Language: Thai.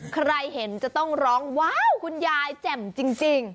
ใครเห็นจะต้องร้องว้าวคุณยายแจ่มจริง